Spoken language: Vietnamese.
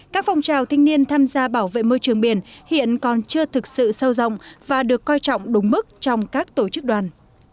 các phong trào thanh niên tham gia bảo vệ môi trường biển hiện còn chưa thực sự sâu rộng và được coi trọng đúng mức trong các tổ chức đoàn